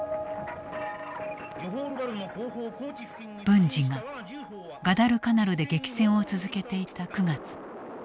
文次がガダルカナルで激戦を続けていた９月。